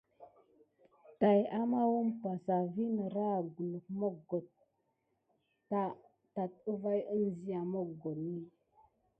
Tayamaou umpa sa vi nerahək guluk moggota tat əvay əŋzia moggoni.